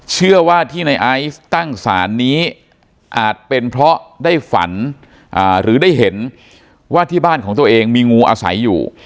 เชื่อว่าที่ในไอซ์ตั้งศาลนี้อาจเป็นเพราะได้ฝันหรือได้เห็นว่าที่บ้านของตัวเองมีงูอาศัยอยู่